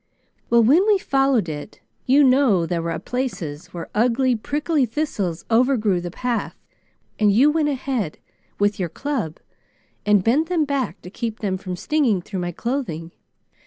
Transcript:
Well when we followed it, you know there were places where ugly, prickly thistles overgrew the path, and you went ahead with your club and bent them back to keep them from stinging through my clothing.